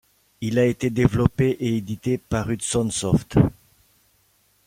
Il a été développé et édité par Hudson Soft.